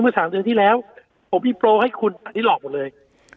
๓เดือนที่แล้วผมมีโปรให้คุณอันนี้หลอกหมดเลย